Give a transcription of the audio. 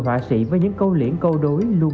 họa sĩ với những câu liễn câu đối luôn